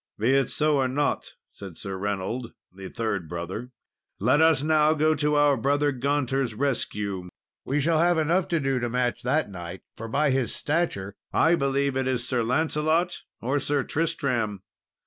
"Be it so, or not," said Sir Reynold, the third brother; "let us now go to our brother Gaunter's rescue; we shall have enough to do to match that knight, for, by his stature, I believe it is Sir Lancelot or Sir Tristram."